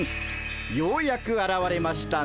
ようやくあらわれましたね